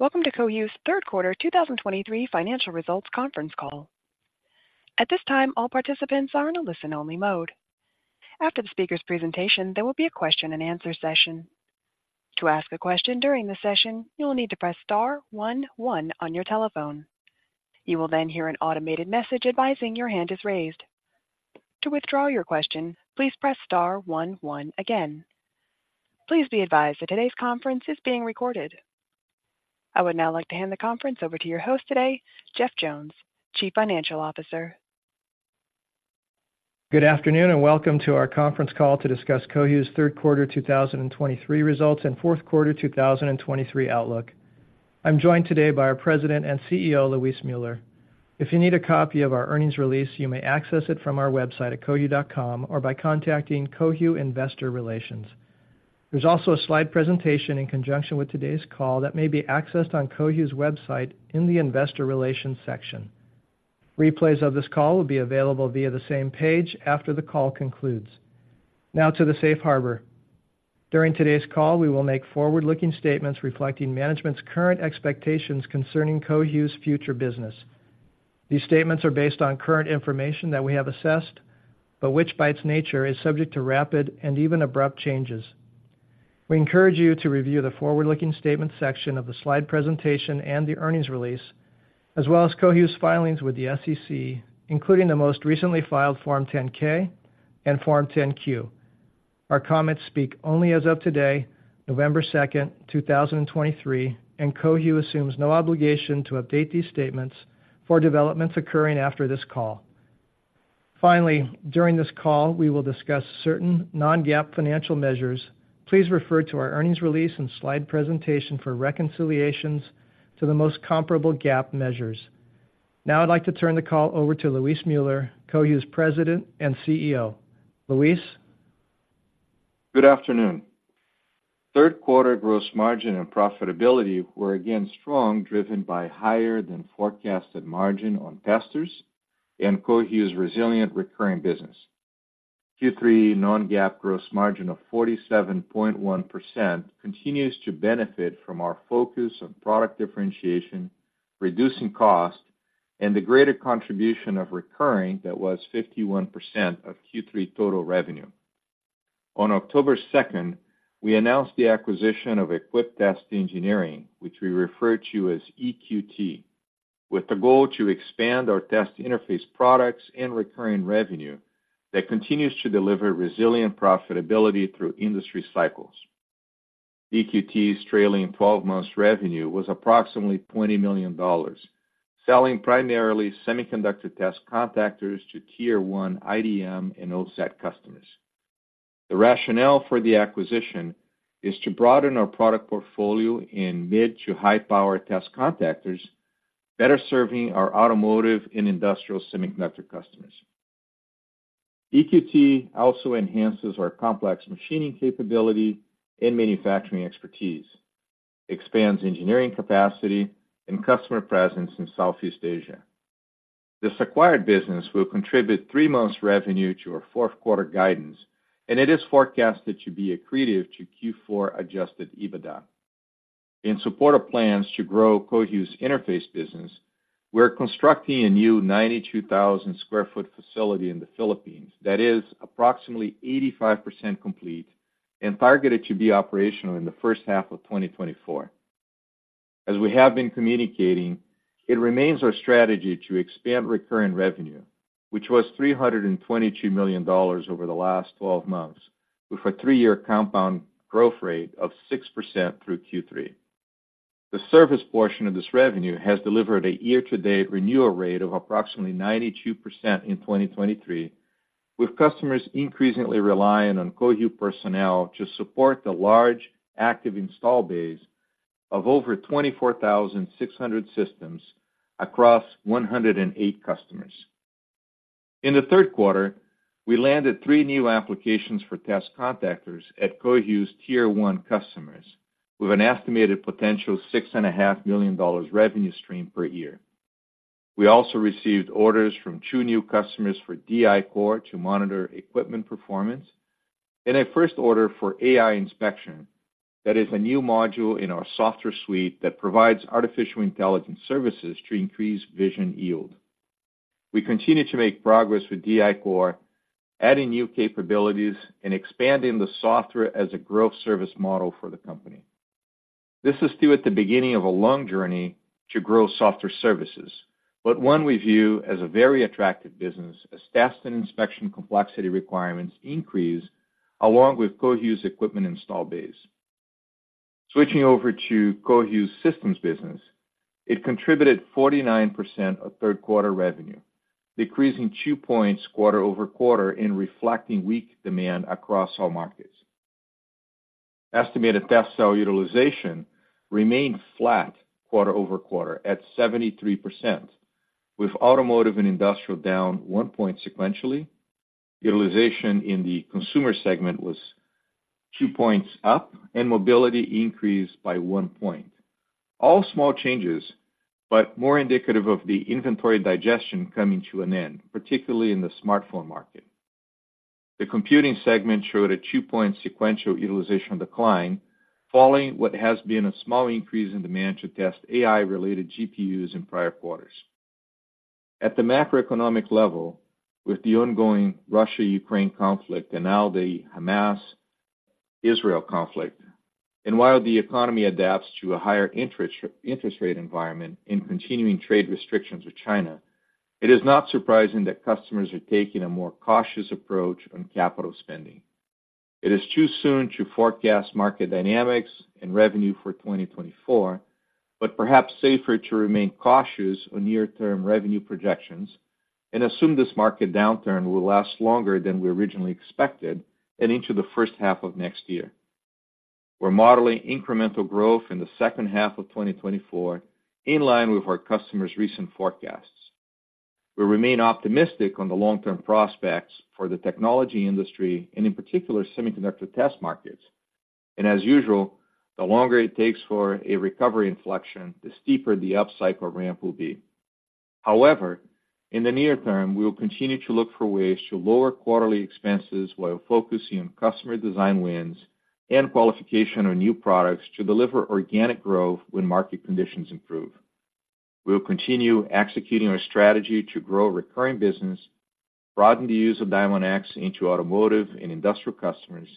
Welcome to Cohu's third quarter 2023 financial results conference call. At this time, all participants are in a listen-only mode. After the speaker's presentation, there will be a question-and-answer session. To ask a question during the session, you will need to press star one one on your telephone. You will then hear an automated message advising your hand is raised. To withdraw your question, please press star one one again. Please be advised that today's conference is being recorded. I would now like to hand the conference over to your host today, Jeff Jones, Chief Financial Officer. Good afternoon, and welcome to our conference call to discuss Cohu's third quarter 2023 results and fourth quarter 2023 outlook. I'm joined today by our President and CEO, Luis Müller. If you need a copy of our earnings release, you may access it from our website at cohu.com or by contacting Cohu investor relations. There's also a slide presentation in conjunction with today's call that may be accessed on Cohu's website in the investor relations section. Replays of this call will be available via the same page after the call concludes. Now to the safe harbor. During today's call, we will make forward-looking statements reflecting management's current expectations concerning Cohu's future business. These statements are based on current information that we have assessed, but which, by its nature, is subject to rapid and even abrupt changes. We encourage you to review the forward-looking statement section of the slide presentation and the earnings release, as well as Cohu's filings with the SEC, including the most recently filed Form 10-K and Form 10-Q. Our comments speak only as of today, November 2, 2023, and Cohu assumes no obligation to update these statements for developments occurring after this call. Finally, during this call, we will discuss certain non-GAAP financial measures. Please refer to our earnings release and slide presentation for reconciliations to the most comparable GAAP measures. Now I'd like to turn the call over to Luis Müller, Cohu's President and CEO. Luis? Good afternoon. Third quarter gross margin and profitability were again strong, driven by higher than forecasted margin on testers and Cohu's resilient recurring business. Q3 non-GAAP gross margin of 47.1% continues to benefit from our focus on product differentiation, reducing costs, and the greater contribution of recurring that was 51% of Q3 total revenue. On October 2, we announced the acquisition of Equiptest Engineering, which we refer to as EQT, with the goal to expand our test interface products and recurring revenue that continues to deliver resilient profitability through industry cycles. EQT's trailing 12 months revenue was approximately $20 million, selling primarily semiconductor test contactors to Tier 1 IDM and OSAT customers. The rationale for the acquisition is to broaden our product portfolio in mid to high-power test contactors, better serving our automotive and industrial semiconductor customers. EQT also enhances our complex machining capability and manufacturing expertise, expands engineering capacity and customer presence in Southeast Asia. This acquired business will contribute three months revenue to our fourth quarter guidance, and it is forecasted to be accretive to Q4 adjusted EBITDA. In support of plans to grow Cohu's interface business, we're constructing a new 92,000 sq ft facility in the Philippines that is approximately 85% complete and targeted to be operational in the first half of 2024. As we have been communicating, it remains our strategy to expand recurring revenue, which was $322 million over the last 12 months, with a three-year compound growth rate of 6% through Q3. The service portion of this revenue has delivered a year-to-date renewal rate of approximately 92% in 2023, with customers increasingly relying on Cohu personnel to support the large active installed base of over 24,600 systems across 108 customers. In the third quarter, we landed three new applications for test contactors at Cohu's Tier 1 customers, with an estimated potential $6.5 million revenue stream per year. We also received orders from two new customers for DI-Core to monitor equipment performance and a first order for AI inspection. That is a new module in our software suite that provides artificial intelligence services to increase vision yield. We continue to make progress with DI-Core, adding new capabilities and expanding the software as a growth service model for the company. This is still at the beginning of a long journey to grow software services, but one we view as a very attractive business as tests and inspection complexity requirements increase, along with Cohu's equipment install base. Switching over to Cohu's systems business, it contributed 49% of third quarter revenue, decreasing two points quarter-over-quarter in reflecting weak demand across all markets. Estimated test cell utilization remained flat quarter-over-quarter at 73%, with automotive and industrial down one point sequentially. Utilization in the consumer segment was two points up, and mobility increased by one point. All small changes, but more indicative of the inventory digestion coming to an end, particularly in the smartphone market. The computing segment showed a two-point sequential utilization decline, following what has been a small increase in demand to test AI-related GPUs in prior quarters. At the macroeconomic level, with the ongoing Russia-Ukraine conflict and now the Hamas-Israel conflict, and while the economy adapts to a higher interest, interest rate environment and continuing trade restrictions with China, it is not surprising that customers are taking a more cautious approach on capital spending. It is too soon to forecast market dynamics and revenue for 2024, but perhaps safer to remain cautious on near-term revenue projections and assume this market downturn will last longer than we originally expected and into the first half of next year. We're modeling incremental growth in the second half of 2024, in line with our customers' recent forecasts. We remain optimistic on the long-term prospects for the technology industry, and in particular, semiconductor test markets. And as usual, the longer it takes for a recovery inflection, the steeper the upcycle ramp will be. However, in the near term, we will continue to look for ways to lower quarterly expenses while focusing on customer design wins and qualification of new products to deliver organic growth when market conditions improve. We will continue executing our strategy to grow recurring business, broaden the use of Diamondx into automotive and industrial customers,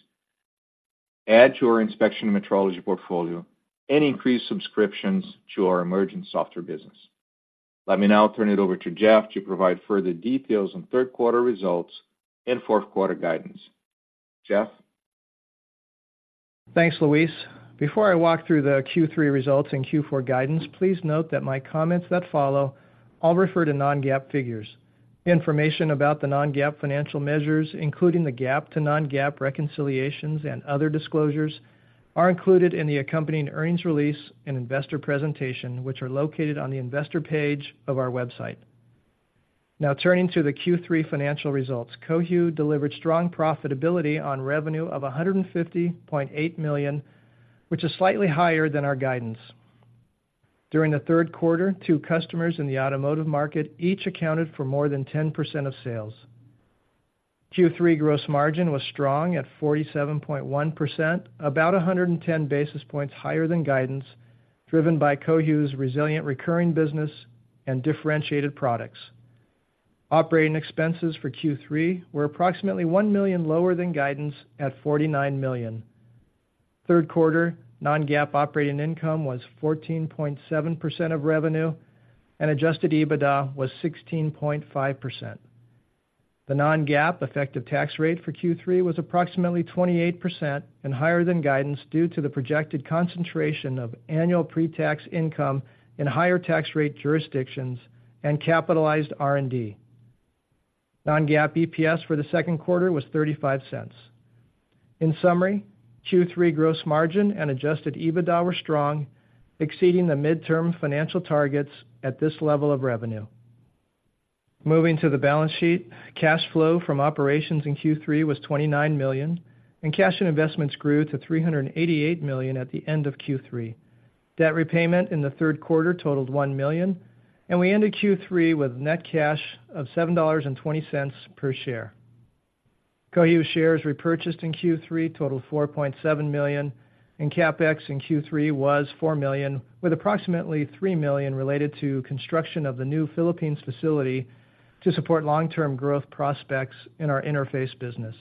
add to our inspection metrology portfolio, and increase subscriptions to our emerging software business. Let me now turn it over to Jeff to provide further details on third quarter results and fourth quarter guidance. Jeff? Thanks, Luis. Before I walk through the Q3 results and Q4 guidance, please note that my comments that follow all refer to non-GAAP figures. Information about the non-GAAP financial measures, including the GAAP to non-GAAP reconciliations and other disclosures, are included in the accompanying earnings release and investor presentation, which are located on the investor page of our website. Now, turning to the Q3 financial results. Cohu delivered strong profitability on revenue of $150.8 million, which is slightly higher than our guidance. During the third quarter, two customers in the automotive market each accounted for more than 10% of sales. Q3 gross margin was strong at 47.1%, about 110 basis points higher than guidance, driven by Cohu's resilient recurring business and differentiated products. Operating expenses for Q3 were approximately $1 million lower than guidance, at $49 million. Third quarter non-GAAP operating income was 14.7% of revenue, and adjusted EBITDA was 16.5%. The non-GAAP effective tax rate for Q3 was approximately 28% and higher than guidance, due to the projected concentration of annual pre-tax income in higher tax rate jurisdictions and capitalized R&D. Non-GAAP EPS for the second quarter was $0.35. In summary, Q3 gross margin and adjusted EBITDA were strong, exceeding the midterm financial targets at this level of revenue. Moving to the balance sheet, cash flow from operations in Q3 was $29 million, and cash and investments grew to $388 million at the end of Q3. Debt repayment in the third quarter totaled $1 million, and we ended Q3 with net cash of $7.20 per share. Cohu shares repurchased in Q3 totaled 4.7 million, and CapEx in Q3 was $4 million, with approximately $3 million related to construction of the new Philippines facility to support long-term growth prospects in our interface business.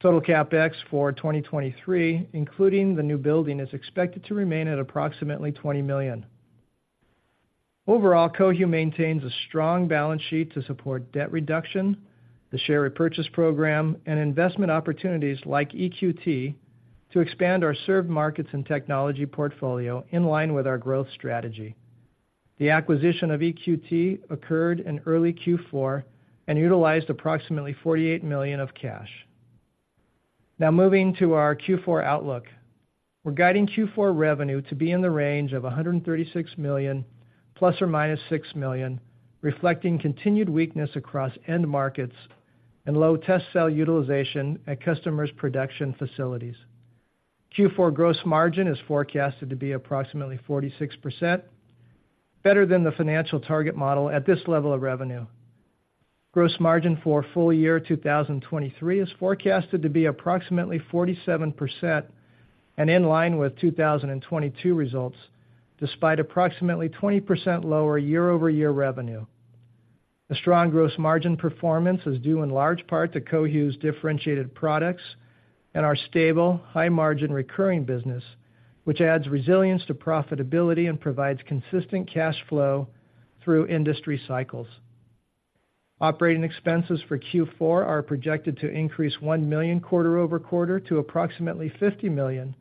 Total CapEx for 2023, including the new building, is expected to remain at approximately $20 million. Overall, Cohu maintains a strong balance sheet to support debt reduction, the share repurchase program, and investment opportunities like EQT, to expand our served markets and technology portfolio in line with our growth strategy. The acquisition of EQT occurred in early Q4 and utilized approximately $48 million of cash. Now, moving to our Q4 outlook. We're guiding Q4 revenue to be in the range of $136 million ± $6 million, reflecting continued weakness across end markets and low test cell utilization at customers' production facilities. Q4 gross margin is forecasted to be approximately 46%, better than the financial target model at this level of revenue. Gross margin for full year 2023 is forecasted to be approximately 47% and in line with 2022 results, despite approximately 20% lower year-over-year revenue. The strong gross margin performance is due in large part to Cohu's differentiated products and our stable, high-margin recurring business, which adds resilience to profitability and provides consistent cash flow through industry cycles. Operating expenses for Q4 are projected to increase $1 million quarter-over-quarter to approximately $50 million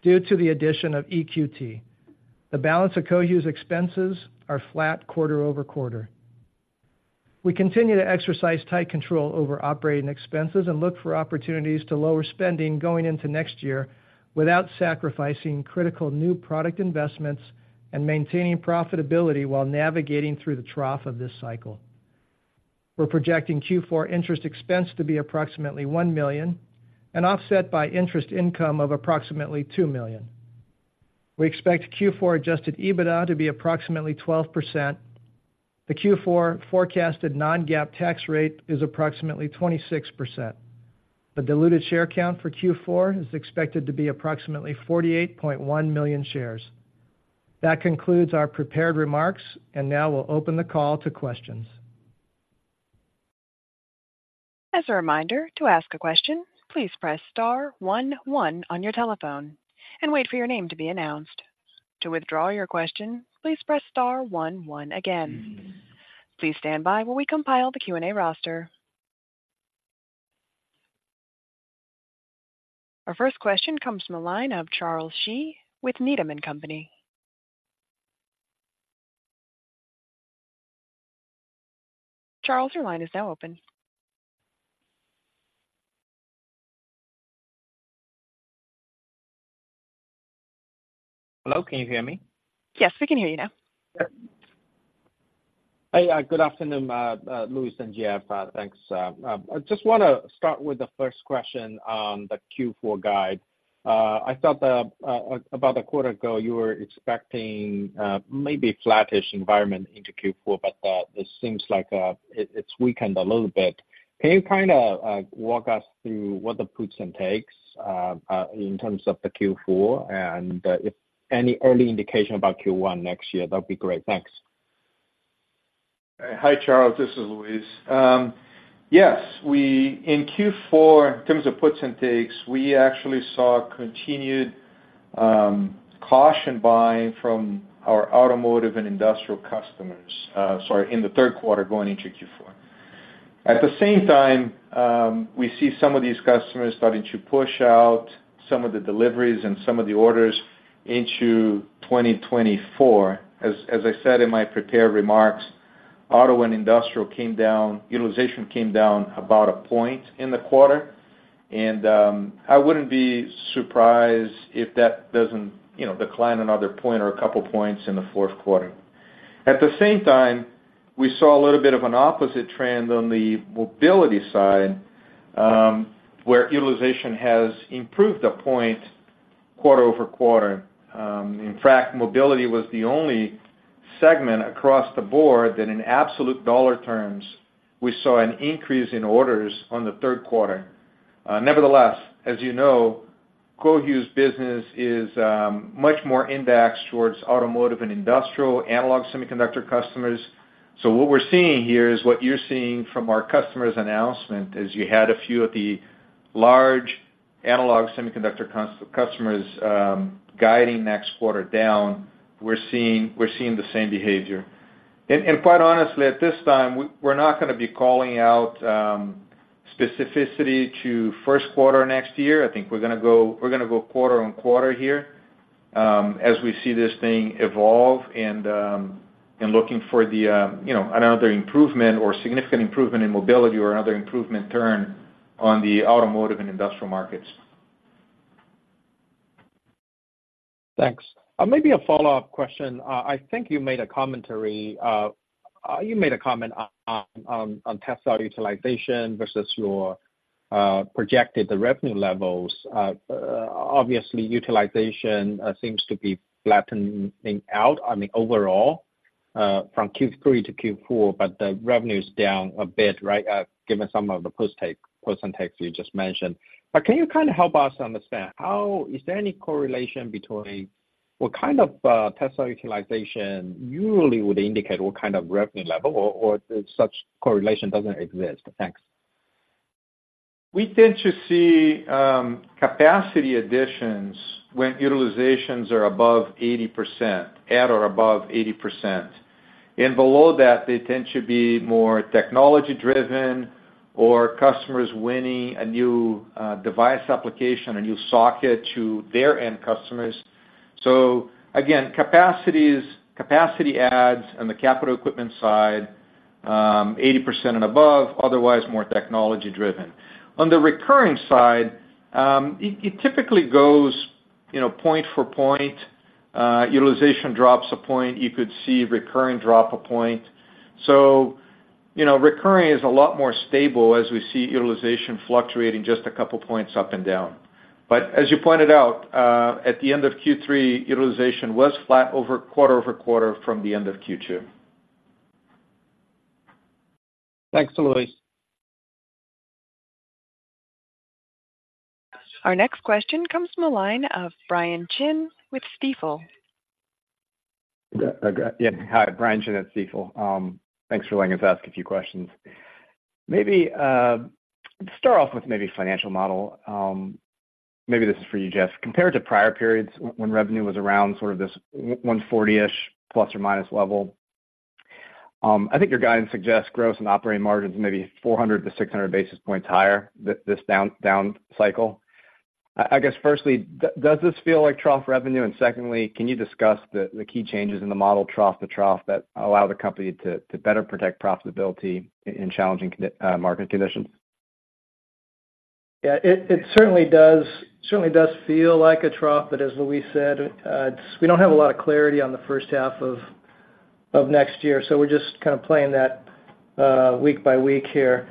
due to the addition of EQT. The balance of Cohu's expenses are flat quarter-over-quarter. We continue to exercise tight control over operating expenses and look for opportunities to lower spending going into next year without sacrificing critical new product investments and maintaining profitability while navigating through the trough of this cycle. We're projecting Q4 interest expense to be approximately $1 million and offset by interest income of approximately $2 million. We expect Q4 adjusted EBITDA to be approximately 12%. The Q4 forecasted non-GAAP tax rate is approximately 26%. The diluted share count for Q4 is expected to be approximately 48.1 million shares. That concludes our prepared remarks, and now we'll open the call to questions. As a reminder, to ask a question, please press star one one on your telephone and wait for your name to be announced. To withdraw your question, please press star one one again. Please stand by while we compile the Q&A roster. Our first question comes from the line of Charles Shi with Needham & Company. Charles, your line is now open. Hello, can you hear me? Yes, we can hear you now. Hey, good afternoon, Luis and Jeff. Thanks. I just wanna start with the first question on the Q4 guide. I thought that about a quarter ago, you were expecting maybe flattish environment into Q4, but it seems like it's weakened a little bit. Can you kinda walk us through what the puts and takes in terms of the Q4, and if any early indication about Q1 next year, that'd be great. Thanks. Hi, Charles, this is Luis. Yes, we in Q4, in terms of puts and takes, we actually saw continued caution buying from our automotive and industrial customers, sorry, in the third quarter going into Q4. At the same time, we see some of these customers starting to push out some of the deliveries and some of the orders into 2024. As I said in my prepared remarks, auto and industrial came down, utilization came down about a point in the quarter, and I wouldn't be surprised if that doesn't, you know, decline another point or a couple points in the fourth quarter. At the same time, we saw a little bit of an opposite trend on the mobility side, where utilization has improved a point quarter-over-quarter. In fact, mobility was the only segment across the board that in absolute dollar terms, we saw an increase in orders on the third quarter. Nevertheless, as you know, Cohu's business is much more indexed towards automotive and industrial analog semiconductor customers. So what we're seeing here is what you're seeing from our customers' announcement, is you had a few of the large analog semiconductor customers guiding next quarter down. We're seeing the same behavior. And quite honestly, at this time, we're not gonna be calling out specificity to first quarter next year. I think we're gonna go quarter on quarter here as we see this thing evolve and looking for the, you know, another improvement or significant improvement in mobility or another improvement turn on the automotive and industrial markets. Thanks. Maybe a follow-up question. I think you made a comment on test cell utilization versus your projected the revenue levels. Obviously, utilization seems to be flattening out on the overall from Q3 to Q4, but the revenue is down a bit, right? Given some of the puts and takes you just mentioned. But can you kind of help us understand how is there any correlation between what kind of test cell utilization usually would indicate what kind of revenue level or such correlation doesn't exist? Thanks. We tend to see capacity additions when utilizations are above 80%, at or above 80%, and below that, they tend to be more technology-driven or customers winning a new device application, a new socket to their end customers. So again, capacities, capacity adds on the capital equipment side, 80% and above, otherwise, more technology-driven. On the recurring side, it typically goes, you know, point for point. Utilization drops a point, you could see recurring drop a point. So, you know, recurring is a lot more stable as we see utilization fluctuating just a couple points up and down. But as you pointed out, at the end of Q3, utilization was flat quarter-over-quarter from the end of Q2. Thanks, Luis. Our next question comes from the line of Brian Chin with Stifel. Hi, Brian Chin at Stifel. Thanks for letting us ask a few questions. Maybe let's start off with maybe financial model. Maybe this is for you, Jeff. Compared to prior periods when revenue was around sort of this 140-ish plus or minus level, I think your guidance suggests gross and operating margins maybe 400-600 basis points higher this down cycle. I guess, firstly, does this feel like trough revenue? And secondly, can you discuss the key changes in the model trough to trough that allow the company to better protect profitability in challenging market conditions? Yeah, it certainly does feel like a trough, but as Luis said, we don't have a lot of clarity on the first half of next year. So we're just kind of playing that week by week here.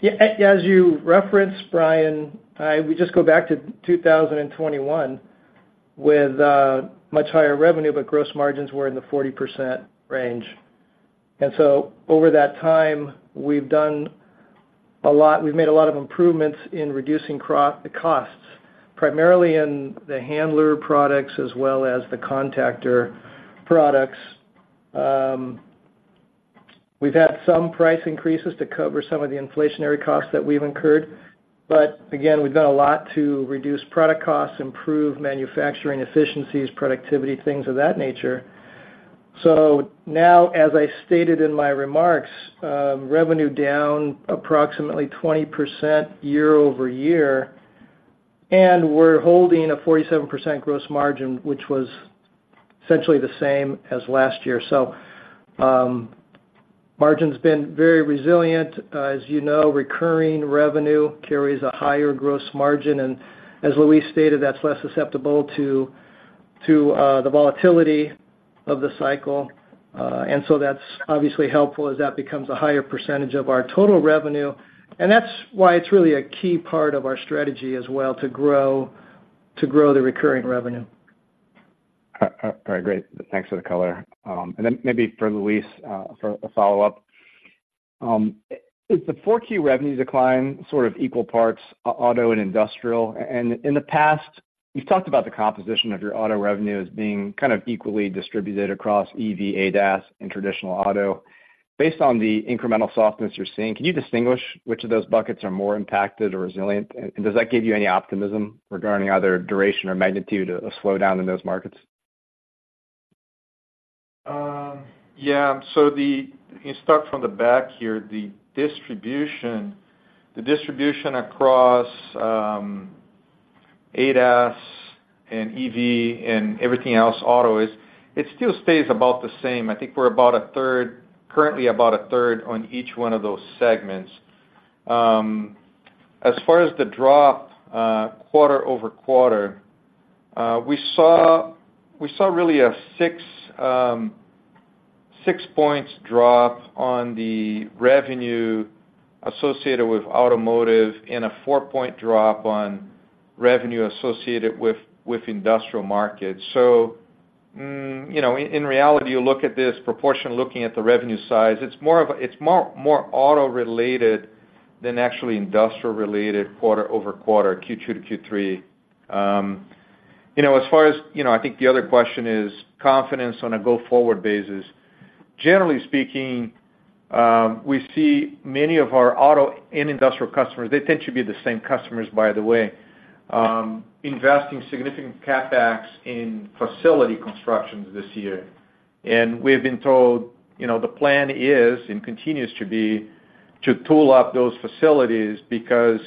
Yeah, as you referenced, Brian, we just go back to 2021 with much higher revenue, but gross margins were in the 40% range. And so over that time, we've done a lot. We've made a lot of improvements in reducing the costs, primarily in the handler products as well as the contactor products. We've had some price increases to cover some of the inflationary costs that we've incurred, but again, we've done a lot to reduce product costs, improve manufacturing efficiencies, productivity, things of that nature. So now, as I stated in my remarks, revenue down approximately 20% year-over-year, and we're holding a 47% gross margin, which was essentially the same as last year. So, margin's been very resilient. As you know, recurring revenue carries a higher gross margin, and as Luis stated, that's less susceptible to the volatility of the cycle. And so that's obviously helpful as that becomes a higher percentage of our total revenue. And that's why it's really a key part of our strategy as well, to grow, to grow the recurring revenue. All right, great. Thanks for the color. And then maybe for Luis, for a follow-up. Is the 4Q revenue decline sort of equal parts auto and industrial? And in the past, you've talked about the composition of your auto revenue as being kind of equally distributed across EV, ADAS, and traditional auto. Based on the incremental softness you're seeing, can you distinguish which of those buckets are more impacted or resilient? And does that give you any optimism regarding either duration or magnitude of slowdown in those markets? Yeah. So you start from the back here, the distribution across ADAS and EV and everything else, auto, is it still stays about the same. I think we're about a third, currently about a third on each one of those segments. As far as the drop, quarter-over-quarter, we saw really a six-point drop on the revenue associated with automotive and a four-point drop on revenue associated with industrial markets. So, you know, in reality, you look at this proportion, looking at the revenue size, it's more auto-related than actually industrial-related quarter-over-quarter, Q2 to Q3. You know, as far as, you know, I think the other question is confidence on a go-forward basis. Generally speaking, we see many of our auto and industrial customers, they tend to be the same customers, by the way, investing significant CapEx in facility constructions this year. We've been told, you know, the plan is, and continues to be, to tool up those facilities, because,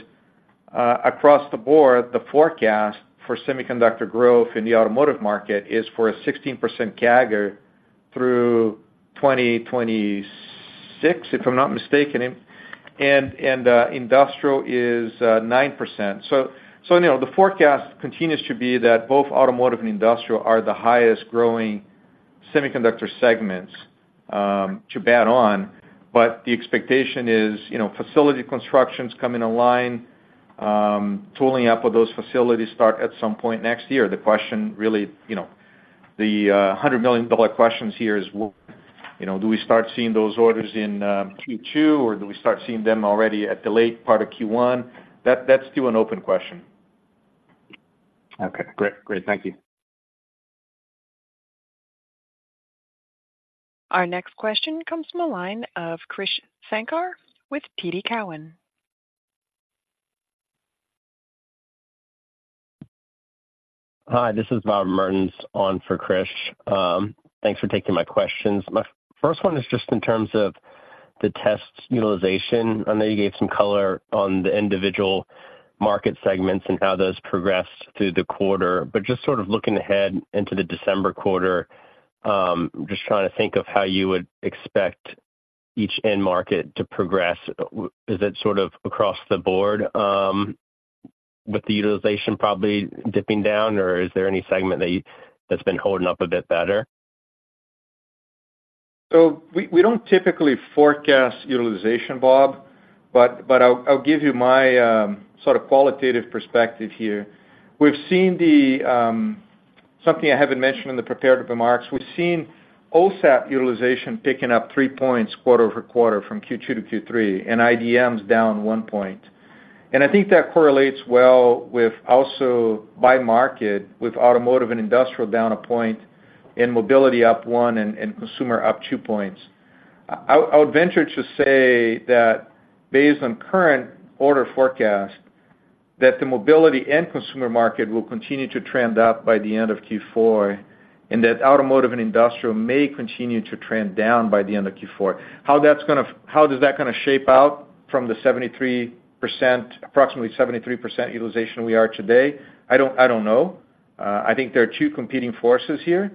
across the board, the forecast for semiconductor growth in the automotive market is for a 16% CAGR through 2026, if I'm not mistaken, and, industrial is, 9%. So, you know, the forecast continues to be that both automotive and industrial are the highest growing semiconductor segments, to bet on, but the expectation is, you know, facility constructions come in line, tooling up of those facilities start at some point next year. The question really, you know, the $100 million-dollar questions here is, you know, do we start seeing those orders in Q2, or do we start seeing them already at the late part of Q1? That's still an open question. Okay, great. Great, thank you. Our next question comes from the line of Krish Sankar with TD Cowen. Hi, this is Bob Mertens on for Krish. Thanks for taking my questions. My first one is just in terms of the test utilization. I know you gave some color on the individual market segments and how those progressed through the quarter, but just sort of looking ahead into the December quarter, just trying to think of how you would expect each end market to progress. Is it sort of across the board, with the utilization probably dipping down, or is there any segment that you that's been holding up a bit better? So we don't typically forecast utilization, Bob, but I'll give you my sort of qualitative perspective here. We've seen something I haven't mentioned in the prepared remarks, we've seen OSAT utilization picking up three points quarter-over-quarter from Q2 to Q3, and IDM's down one point. And I think that correlates well with also by market, with automotive and industrial down a point and mobility up one and consumer up two points. I would venture to say that based on current order forecast, that the mobility and consumer market will continue to trend up by the end of Q4, and that automotive and industrial may continue to trend down by the end of Q4. How that's gonna, how is that gonna shape out from the 73%, approximately 73% utilization we are today? I don't know. I think there are two competing forces here.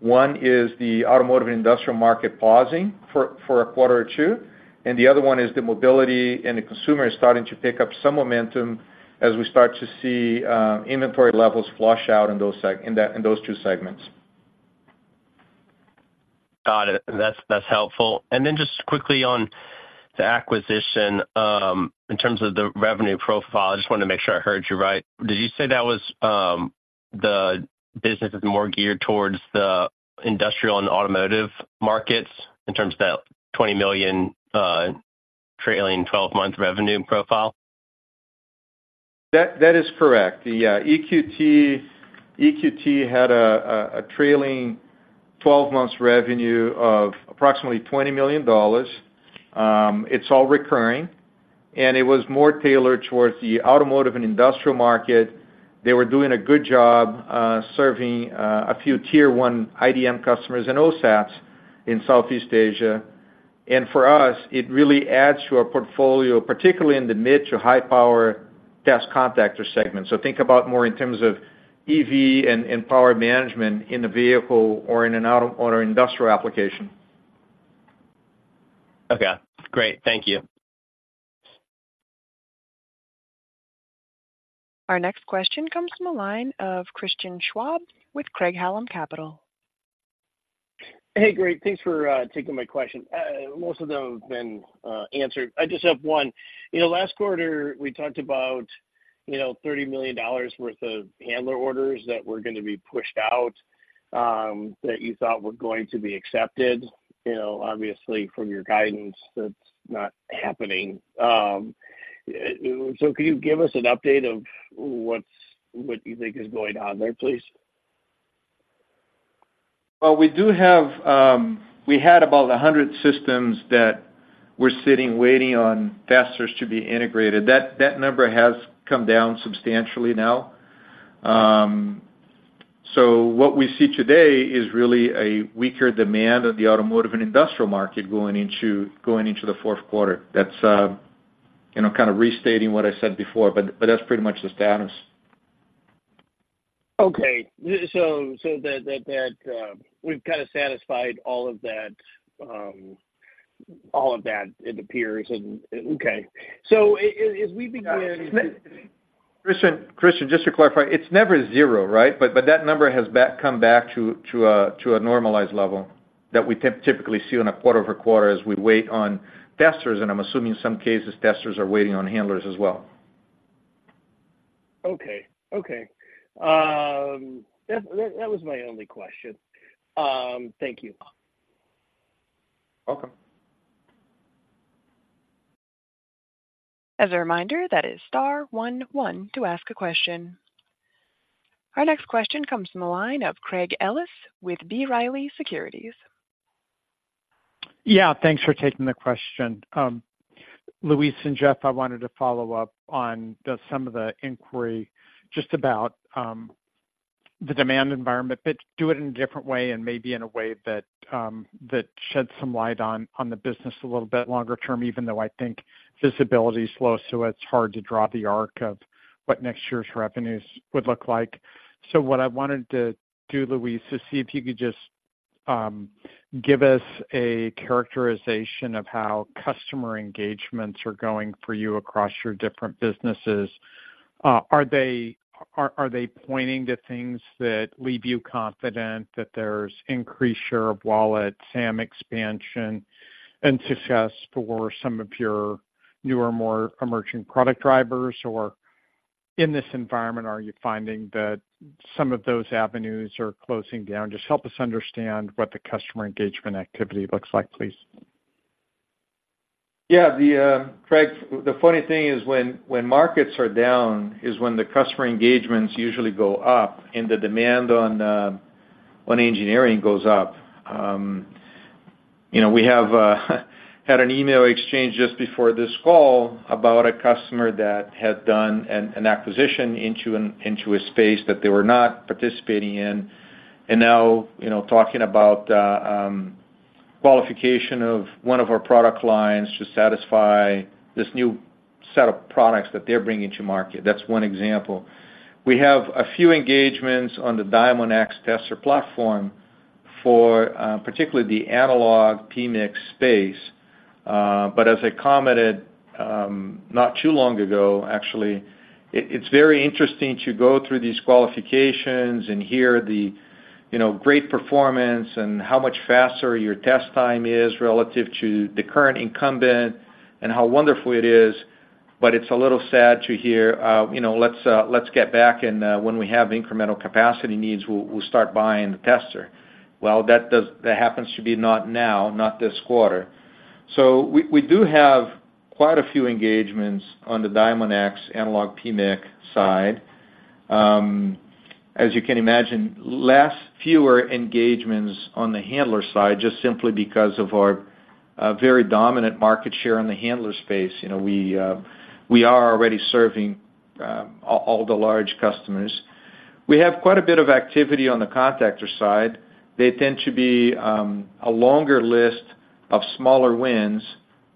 One is the automotive and industrial market pausing for a quarter or two, and the other one is the mobility and the consumer is starting to pick up some momentum as we start to see inventory levels flush out in those two segments. Got it. That's, that's helpful. And then just quickly on the acquisition, in terms of the revenue profile, I just wanted to make sure I heard you right. Did you say that was, the business is more geared towards the industrial and automotive markets in terms of that $20 million trailing twelve-month revenue profile? That is correct. The EQT had a trailing 12 months revenue of approximately $20 million. It's all recurring, and it was more tailored towards the automotive and industrial market. They were doing a good job serving a few tier one IDM customers and OSATs in Southeast Asia. And for us, it really adds to our portfolio, particularly in the mid-to-high power test contactor segment. So think about more in terms of EV and power management in a vehicle or in an auto-- or an industrial application. Okay, great. Thank you. Our next question comes from the line of Christian Schwab with Craig-Hallum Capital. Hey, great. Thanks for taking my question. Most of them have been answered. I just have one. You know, last quarter, we talked about, you know, $30 million worth of handler orders that were gonna be pushed out, that you thought were going to be accepted. You know, obviously, from your guidance, that's not happening. So can you give us an update of what you think is going on there, please? Well, we do have, we had about 100 systems that were sitting, waiting on testers to be integrated. That number has come down substantially now. So what we see today is really a weaker demand of the automotive and industrial market going into the fourth quarter. That's, you know, kind of restating what I said before, but that's pretty much the status. Okay. So that we've kind of satisfied all of that, it appears, and okay. So as we begin- Christian, just to clarify, it's never zero, right? But that number has come back to a normalized level that we typically see on a quarter-over-quarter as we wait on testers, and I'm assuming in some cases, testers are waiting on handlers as well. Okay, Okay. That was my only question. Thank you. Welcome. As a reminder, that is star one one to ask a question. Our next question comes from the line of Craig Ellis with B. Riley Securities. Yeah, thanks for taking the question. Luis and Jeff, I wanted to follow up on some of the inquiry just about the demand environment, but do it in a different way and maybe in a way that that sheds some light on the business a little bit longer term, even though I think visibility is low, so it's hard to draw the arc of what next year's revenues would look like. So what I wanted to do, Luis, is see if you could just give us a characterization of how customer engagements are going for you across your different businesses. Are they pointing to things that leave you confident that there's increased share of wallet, SAM expansion, and success for some of your newer, more emerging product drivers? Or in this environment, are you finding that some of those avenues are closing down? Just help us understand what the customer engagement activity looks like, please. Yeah, Craig, the funny thing is, when markets are down, is when the customer engagements usually go up and the demand on engineering goes up. You know, we have had an email exchange just before this call about a customer that had done an acquisition into a space that they were not participating in, and now, you know, talking about qualification of one of our product lines to satisfy this new set of products that they're bringing to market. That's one example. We have a few engagements on the Diamondx tester platform for, particularly the analog PMIC space, but as I commented, not too long ago, actually, it, it's very interesting to go through these qualifications and hear the, you know, great performance and how much faster your test time is relative to the current incumbent, and how wonderful it is, but it's a little sad to hear, you know, let's, let's get back, and, when we have incremental capacity needs, we'll, we'll start buying the tester. Well, that does - that happens to be not now, not this quarter. So we, we do have quite a few engagements on the Diamondx analog PMIC side. As you can imagine, less, fewer engagements on the handler side, just simply because of our, very dominant market share on the handler space. You know, we are already serving all the large customers. We have quite a bit of activity on the contactor side. They tend to be a longer list of smaller wins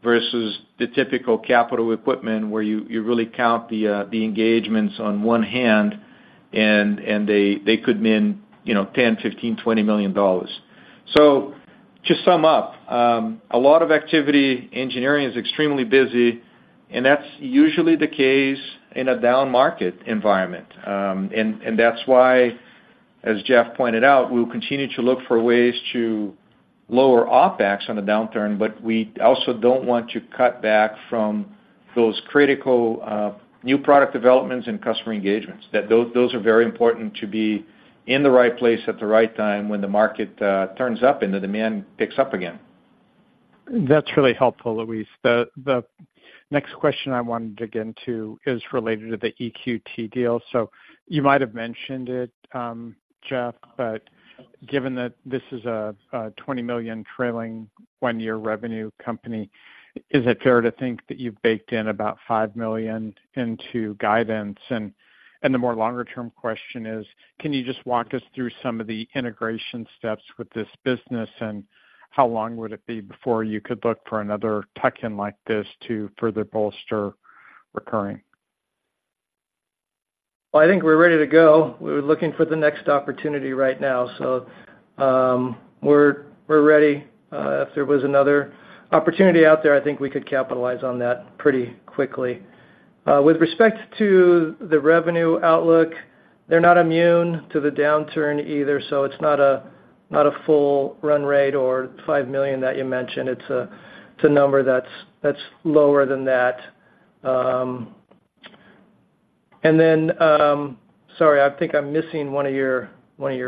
versus the typical capital equipment, where you really count the engagements on one hand, and they could mean, you know, $10 million, $15 million, $20 million. So to sum up, a lot of activity. Engineering is extremely busy. And that's usually the case in a down market environment. And that's why, as Jeff pointed out, we'll continue to look for ways to lower OpEx on a downturn, but we also don't want to cut back from those critical new product developments and customer engagements. That those are very important to be in the right place at the right time when the market turns up and the demand picks up again. That's really helpful, Luis. The next question I wanted to dig into is related to the EQT deal. So you might have mentioned it, Jeff, but given that this is a $20 million trailing one-year revenue company, is it fair to think that you've baked in about $5 million into guidance? And the more longer term question is, can you just walk us through some of the integration steps with this business, and how long would it be before you could look for another tuck-in like this to further bolster recurring? Well, I think we're ready to go. We're looking for the next opportunity right now. So, we're ready. If there was another opportunity out there, I think we could capitalize on that pretty quickly. With respect to the revenue outlook, they're not immune to the downturn either, so it's not a full run rate or $5 million that you mentioned. It's a number that's lower than that. And then, sorry, I think I'm missing one of your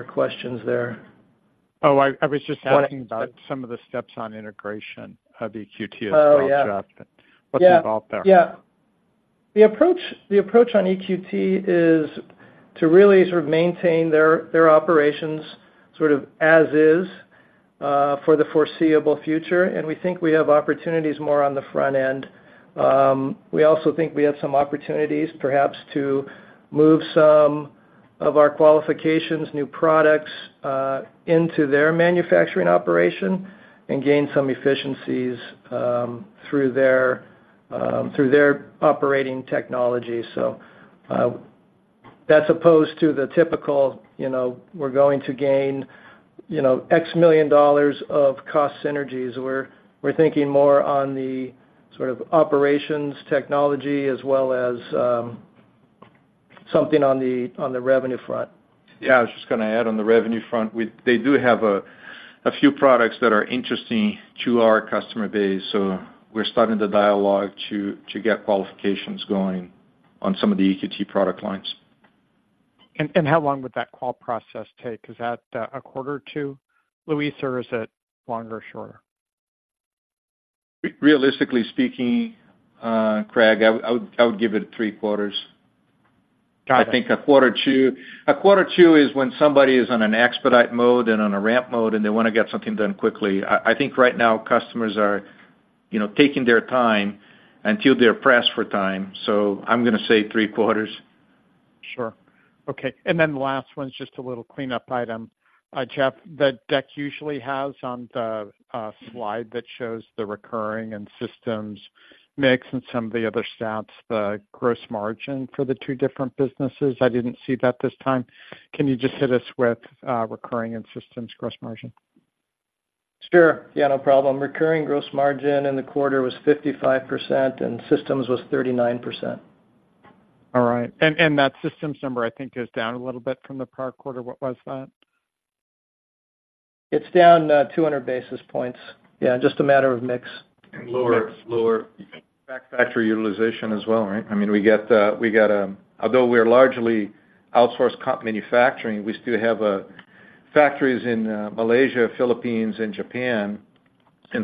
questions there. Oh, I was just asking about some of the steps on integration of EQT as well, Jeff. Oh, yeah. What's involved there? Yeah. The approach, the approach on EQT is to really sort of maintain their, their operations sort of as is for the foreseeable future, and we think we have opportunities more on the front end. We also think we have some opportunities perhaps to move some of our qualifications, new products into their manufacturing operation and gain some efficiencies through their through their operating technology. So, that's opposed to the typical, you know, we're going to gain, you know, $X million of cost synergies. We're, we're thinking more on the sort of operations technology as well as something on the on the revenue front. Yeah. I was just gonna add on the revenue front, they do have a few products that are interesting to our customer base, so we're starting the dialogue to get qualifications going on some of the EQT product lines. How long would that qual process take? Is that a quarter or two, Luis, or is it longer or shorter? Realistically speaking, Craig, I would, I would give it three quarters. Got it. I think a quarter, two... A quarter, two is when somebody is on an expedite mode and on a ramp mode, and they wanna get something done quickly. I, I think right now, customers are, you know, taking their time until they're pressed for time. So I'm gonna say three quarters. Sure. Okay, and then the last one is just a little cleanup item. Jeff, the deck usually has on the slide that shows the recurring and systems mix and some of the other stats, the gross margin for the two different businesses. I didn't see that this time. Can you just hit us with recurring and systems gross margin? Sure. Yeah, no problem. Recurring gross margin in the quarter was 55%, and systems was 39%. All right. That systems number, I think, is down a little bit from the prior quarter. What was that? It's down 200 basis points. Yeah, just a matter of mix. Lower, lower factory utilization as well, right? I mean, although we're largely outsourced co-manufacturing, we still have factories in Malaysia, Philippines and Japan.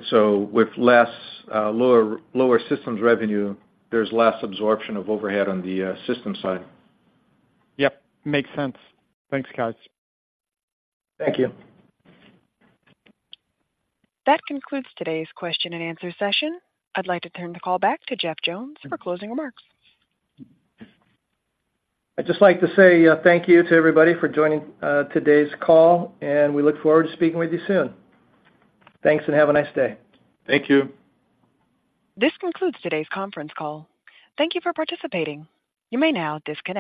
So with less, lower, lower systems revenue, there's less absorption of overhead on the system side. Yep, makes sense. Thanks, guys. Thank you. That concludes today's question and answer session. I'd like to turn the call back to Jeff Jones for closing remarks. I'd just like to say, thank you to everybody for joining, today's call, and we look forward to speaking with you soon. Thanks, and have a nice day. Thank you. This concludes today's conference call. Thank you for participating. You may now disconnect.